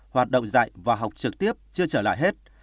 hoạt động dạy và học trực tiếp chưa trở lại hết